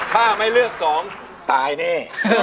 ถ้าไม่เลือกสองตายแน่